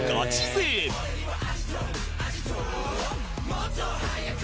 「もっと速く」